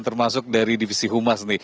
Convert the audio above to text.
termasuk dari divisi humas